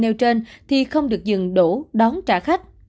nêu trên thì không được dừng đổ đón trả khách